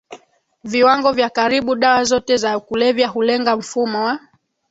viwango vya Karibu dawa zote za kulevya hulenga mfumo wa